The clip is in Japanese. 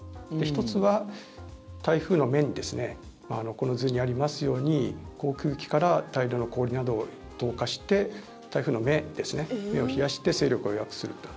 １つは台風の目にこの図にありますように航空機から大量の氷などを投下して台風の目を冷やして勢力を弱くすると。